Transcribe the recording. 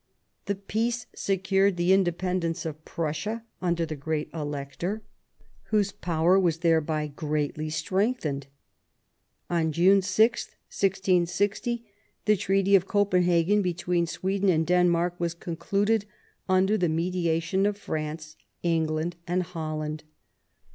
This peace secured the independence of Prussia under the Great Elector, whose VIII THE PEACE OF THE PYRENEES 151 power was thereby greatly strengthened. On June 6, 1660, the Treaty of Copenhagen between Sweden and Denmark was concluded under the mediation of France, England, and Holland.